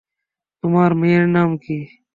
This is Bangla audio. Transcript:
তোমার মেয়ের নাম কী?